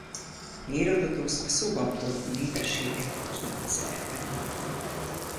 Hérodotosz a szóban forgó népességet kétszer említi.